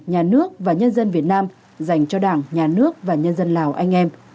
nhà nước và nhân dân việt nam dành cho đảng nhà nước và nhân dân lào anh em